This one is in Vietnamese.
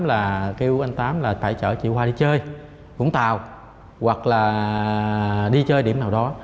là kêu anh tám là tài trợ chị khoa đi chơi vũng tàu hoặc là đi chơi điểm nào đó